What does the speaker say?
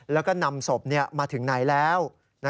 แล้วก็นำศพมาถึงไหนแล้ว